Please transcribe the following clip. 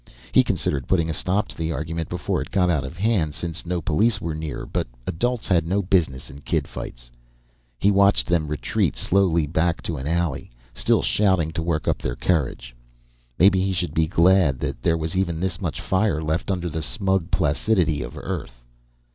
He considered putting a stop to the argument, before it got out of hand, since no police were near; but adults had no business in kid fights. He watched them retreat slowly back to an alley, still shouting to work up their courage. Maybe he should be glad that there was even this much fire left under the smug placidity of Earth.